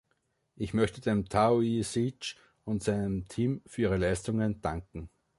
Ich möchte dem Taoiseach und seinem Team für ihre Leistungen danken.